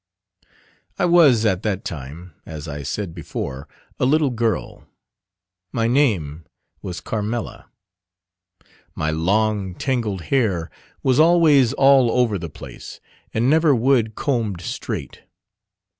I was at that time, as I said before, a little girl; my name was Carmela. My long tangled hair was always all over the place, and never would combed straight.